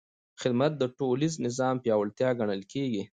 خدمت د ټولنیز نظم پیاوړتیا ګڼل کېږي.